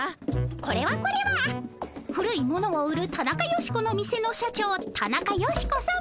これはこれは古いものを売るタナカヨシコの店の社長タナカヨシコさま。